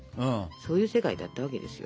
そういう世界だったわけですよ。